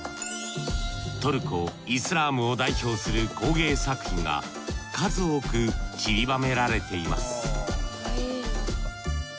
トルコ・イスラームを代表する工芸作品が数多くちりばめられています